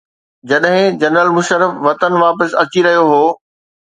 جڏهن جنرل مشرف وطن واپس اچي رهيو هو.